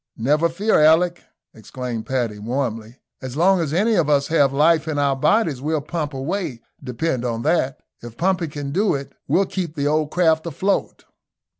"Never fear, Alick," exclaimed Paddy, warmly. "As long as any of us have life in our bodies, we'll pump away, depend on that. If pumping can do it, we'll keep the old craft afloat."